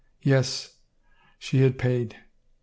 Yes, she had paid.